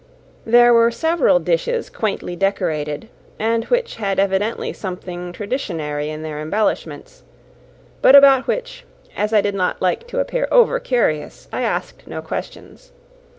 There were several dishes quaintly decorated, and which had evidently something traditionary in their embellishments; but about which, as I did not like to appear over curious, I asked no questions.